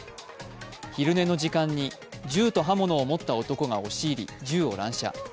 昼寝の時間に、銃と刃物を持った男が押し入り、銃を乱射。